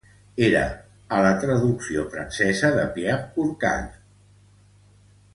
Era a la traducció francesa de Pierre Hourcade.